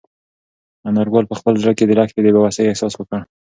انارګل په خپل زړه کې د لښتې د بې وسۍ احساس وکړ.